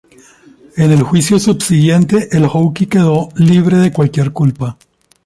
En el juicio subsiguiente el "Hawke" quedó libre de cualquier culpa.